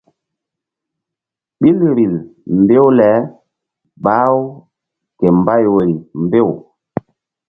Ɓil vbil mbew le bah-u ke mbay woyri mbew.